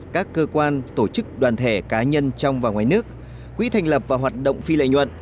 các cơ quan tổ chức đoàn thể cá nhân trong và ngoài nước quỹ thành lập và hoạt động phi lợi nhuận